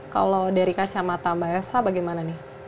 kalau dari kacamata mbak esa bagaimana nih